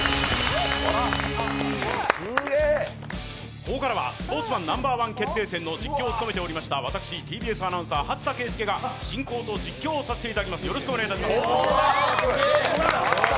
ここからは「スポーツマンＮｏ．１決定戦」の実況を務めてまいりました私、ＴＢＳアナウンサー、初田啓介が進行と実況を務めさせていただきます。